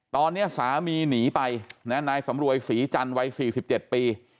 ตอนนี้สามีหนีไปนายสำรวยศรีจันทร์วัย๔๗ปี